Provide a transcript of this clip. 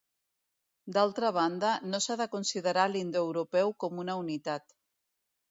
D'altra banda, no s'ha de considerar l'indoeuropeu com una unitat.